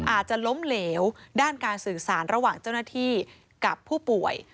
อาจจะล้มเหลวด้านการสื่อสารระหว่างเจ้าหน้าที่กับผู้ป่วย